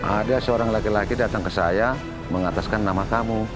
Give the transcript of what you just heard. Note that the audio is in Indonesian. ada seorang laki laki datang ke saya mengataskan nama kamu